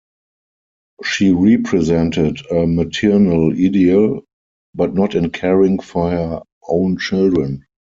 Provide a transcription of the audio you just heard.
She represented a maternal ideal, but not in caring for her own children.